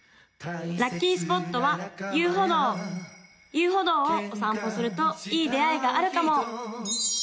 ・ラッキースポットは遊歩道遊歩道をお散歩するといい出会いがあるかも！